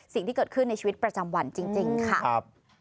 สิ่งที่เกิดขึ้นในชีวิตประจำวันจริงค่ะ